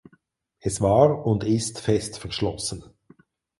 Es war und ist fest verschlossen.